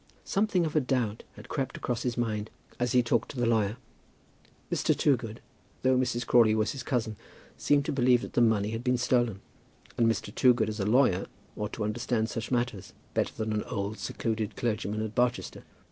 Something of a doubt had crept across his mind as he talked to the lawyer. Mr. Toogood, though Mrs. Crawley was his cousin, seemed to believe that the money had been stolen; and Mr. Toogood as a lawyer ought to understand such matters better than an old secluded clergyman in Barchester.